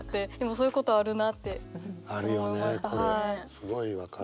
すごい分かる。